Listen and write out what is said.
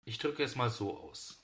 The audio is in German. Ich drücke es mal so aus.